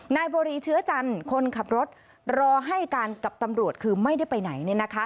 นายบุรีเชื้อจันทร์คนขับรถรอให้การกับตำรวจคือไม่ได้ไปไหน